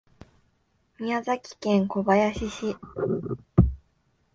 宮崎県小林市